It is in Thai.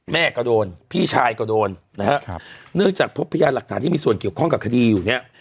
แม่ก็โดนพี่ชายก็โดนนะครับเนื่องจากพบพยานหลักฐานที่มีส่วนเกี่ยวข้องกับคดีอยู่เนี่ย